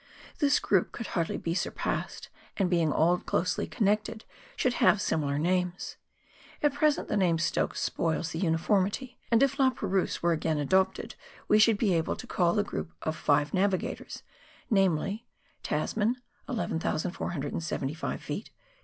This group could hardly be surpassed, and being all closely connected, should have similar names. At present the name Stokes spoils the uniformity, and, if " La Perouse " were again adopted, we should be able to call the group the "Five Navigators," namely, Tasman (11,475 ft.)